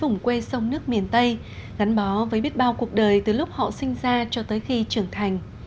vùng quê sông nước miền tây gắn bó với biết bao cuộc đời từ lúc họ sinh ra cho tới khi trưởng thành